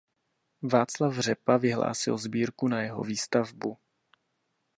Václav Řepa vyhlásil sbírku na jeho výstavbu.